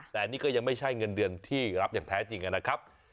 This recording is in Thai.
แต่นี่ก็ยังไม่ใช่เงินเดือนที่รับอย่างแท้จริงนะครับ